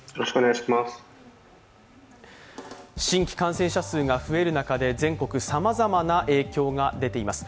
新規感染者数が増える中で、全国さまざまな影響が出ています。